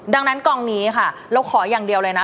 ดังนั้นกองนี้ค่ะเราขออย่างเดียวเลยนะ